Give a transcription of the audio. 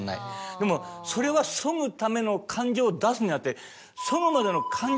でもそれは削ぐための感情を出すんじゃなくて。